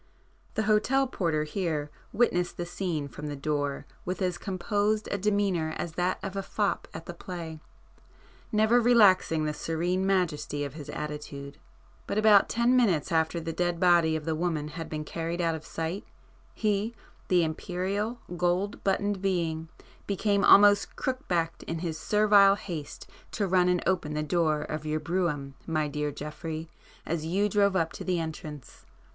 The hotel porter here witnessed the scene from the door with as composed a demeanor as that of a fop at the play, never relaxing the serene majesty of his attitude,—but about ten minutes after the dead body of the woman had been carried out of sight, he, the imperial, gold buttoned being, became almost crook backed in his servile haste to run and open the door of your brougham, my dear Geoffrey, as you drove up to the entrance.